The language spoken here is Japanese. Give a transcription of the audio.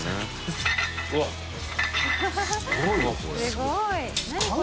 すごい！何？